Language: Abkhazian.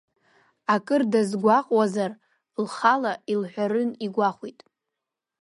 Акыр дазгәаҟуазар лхала илҳәарын игәахәит.